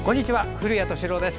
古谷敏郎です。